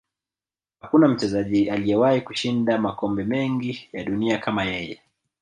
Hakuna mchezaji aliyewahi kushinda makombe mengi ya dunia kama yeye